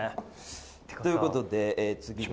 ということで、次は。